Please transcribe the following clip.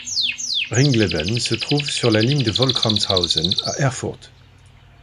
Ringleben se trouve sur la ligne de Wolkramshausen à Erfurt.